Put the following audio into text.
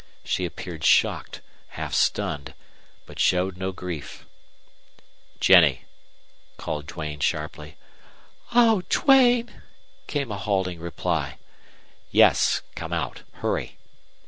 She appeared shocked, half stunned, but showed no grief. "Jennie!" called Duane, sharply. "Oh Duane!" came a halting reply. "Yes. Come out. Hurry!"